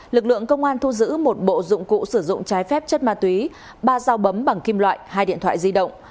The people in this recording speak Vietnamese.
lực lượng công an thu giữ một bộ dụng cụ sử dụng trái phép chất ma túy ba dao bấm bằng kim loại hai điện thoại di động